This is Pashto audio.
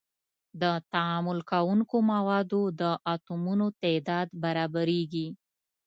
د تعامل کوونکو موادو د اتومونو تعداد برابریږي.